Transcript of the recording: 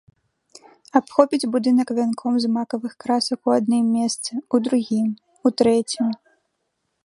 Абхопіць будынак вянком з макавых красак у адным месцы, у другім, у трэцім.